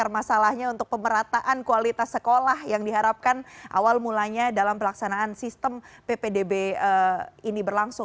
masalahnya untuk pemerataan kualitas sekolah yang diharapkan awal mulanya dalam pelaksanaan sistem ppdb ini berlangsung